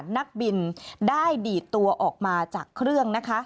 นักบินได้ดีดตัวออกมาจากเครื่องนะคะ